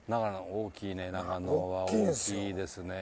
大きいね長野は大きいですね。